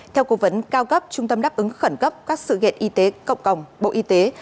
theo cố vấn cao gấp trung tâm đáp ứng khẩn gấp các sự kiện y tế cộng cộng bộ y tế